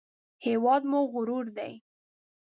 هېواد مو غرور دی